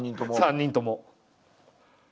３人とも。